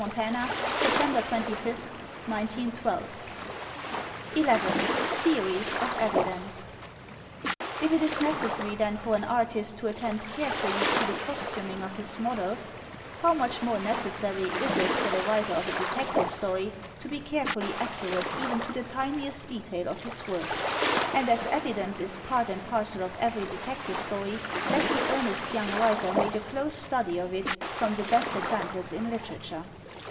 September es, 1912, II, Theories of Evidence If it is necessary, then, for an artist to attend carefully to the costuming of his models, how much more necessary is it for the writer of a Detective Story to be carefully accurate even to the tiniest detail of his work. And as evidence is part and parcel of every Detective Story, let the earnest young writer make a close study of it from the best ex amples in literature.